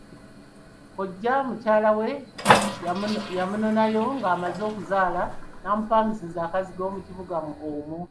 Kkojja, mukyala we yamunonayo ng'amaze okuzaala n'amupangisiza akazigo mu kibuga omwo.